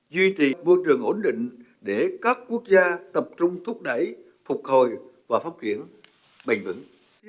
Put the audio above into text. duy trì môi trường ổn định để các quốc gia tập trung thúc đẩy phục hồi và phát triển bền vững